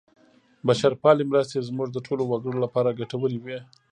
بشرپالې مرستې زموږ د ټولو وګړو لپاره ګټورې وې.